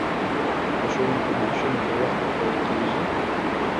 د ښوونکو معاشونه پر وخت ورکول کیږي؟